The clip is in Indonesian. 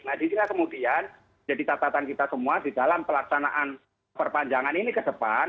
nah disinilah kemudian jadi catatan kita semua di dalam pelaksanaan perpanjangan ini ke depan